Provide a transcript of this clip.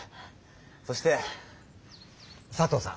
そして佐藤さん。